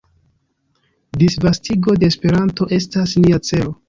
Disvastigo de Esperanto estas nia celo.